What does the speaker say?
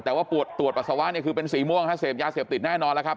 แต่ว่าปวดปัสสาวะเนี่ยคือเป็นสีม่วงฮะเสพยาเสพติดแน่นอนแล้วครับ